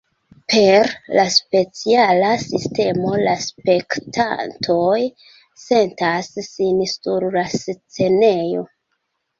Per la speciala sistemo la spektantoj sentas sin sur la scenejo.